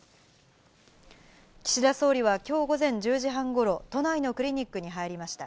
岸田総理はきょう午前１０時半ごろ、都内のクリニックに入りました。